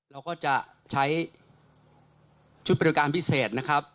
เราก็จะใช้ชุดบริการพิเศษนะครับ